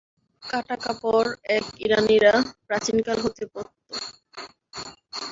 কাটা কাপড় এক ইরানীরা প্রাচীনকাল হতে পরত।